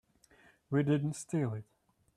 We didn't steal it.